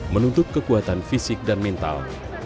menuntut kekuatan fisik dan mental